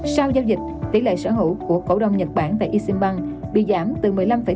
sau giao dịch tỷ lệ sở hữu của cổ đông nhật bản tại asean bank bị giảm từ một mươi năm bảy